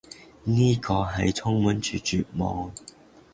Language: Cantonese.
呢個係充滿住絕望